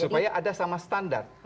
supaya ada sama standar